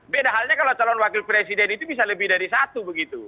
beda halnya kalau calon wakil presiden itu bisa lebih dari satu begitu